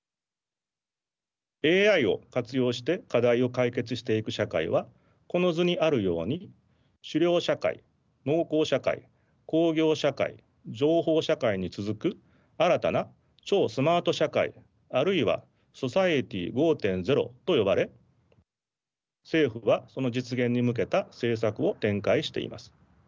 ＡＩを活用して課題を解決していく社会はこの図にあるように狩猟社会農耕社会工業社会情報社会に続く新たな超スマート社会あるいはＳｏｃｉｅｔｙ５．０と呼ばれ政府はその実現に向けた政策を展開しています。